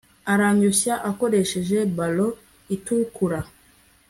aranyoshya akoresheje ballon itukura